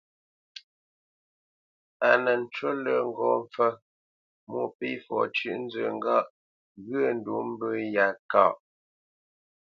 A nə ncú lə́ ŋgó mpfə́ Mwôpéfɔ cʉ́ʼnzə ŋgâʼ ghyə̂ ndǔ mbə̂ yá káʼ.